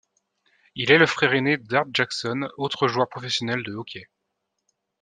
Il est le frère aîné d'Art Jackson autre joueur professionnel de hockey.